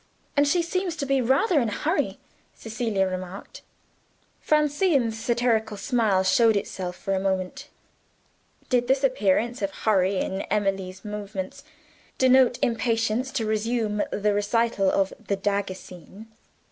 "And she seems to be rather in a hurry," Cecilia remarked. Francine's satirical smile showed itself for a moment. Did this appearance of hurry in Emily's movements denote impatience to resume the recital of "the dagger scene"?